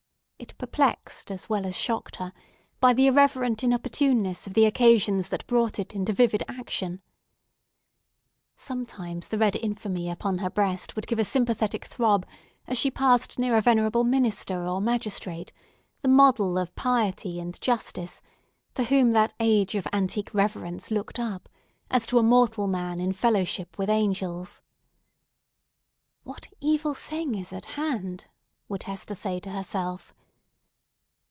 It perplexed, as well as shocked her, by the irreverent inopportuneness of the occasions that brought it into vivid action. Sometimes the red infamy upon her breast would give a sympathetic throb, as she passed near a venerable minister or magistrate, the model of piety and justice, to whom that age of antique reverence looked up, as to a mortal man in fellowship with angels. "What evil thing is at hand?" would Hester say to herself.